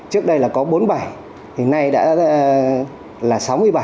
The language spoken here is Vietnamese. trước đây là có bốn mươi bảy hình nay là sáu mươi bảy